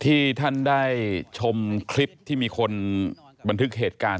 ที่ท่านได้ชมคลิปที่มีคนบันทึกเหตุการณ์